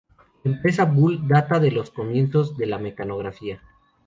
La empresa Bull data de los comienzos de la mecanografía.